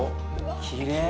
きれい。